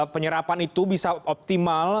penyerapan itu bisa optimal